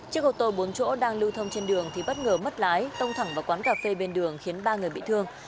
chiếc ô tô bốn chỗ đang lưu thông trên đường thì bất ngờ mất lái tông thẳng vào quán cà phê bên đường khiến ba người bị thương